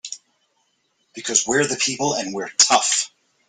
Because we're the people and we're tough!